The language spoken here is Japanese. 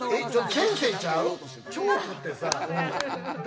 先生ちゃう？